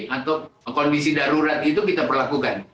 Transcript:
atau kondisi darurat itu kita perlakukan